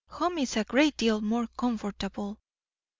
Home is a great deal more comfortable."